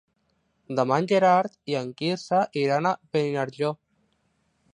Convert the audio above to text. Demà en Gerard i en Quirze iran a Beniarjó.